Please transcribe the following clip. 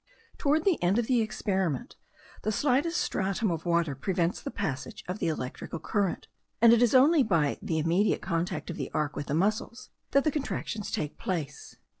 Toward the end of the experiment the slightest stratum of water prevents the passage of the electrical current, and it is only by the immediate contact of the arc with the muscles, that the contractions take place.